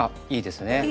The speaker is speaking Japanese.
いいですね。